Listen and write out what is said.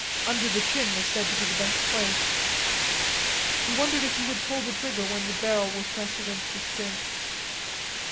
Under the chin was said to be the best place. He wondered if he would pull the trigger when the barrel was pressed against his chin.